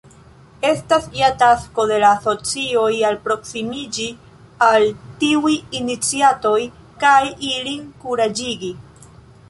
Estas ja tasko de la asocioj alproksimiĝi al tiuj iniciatoj kaj ilin kuraĝigi.